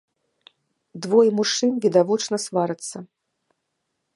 Двое мужчын, відавочна, сварацца.